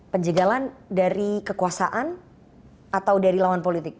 penjagalan dari kekuasaan atau dari lawan politik